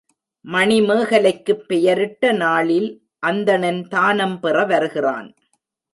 மணிமேகலைக்குப் பெயரிட்ட நாளில் அந்தணன் தானம் பெற வருகிறான்.